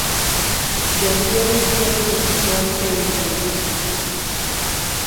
jaduong' Mengo nopenjogi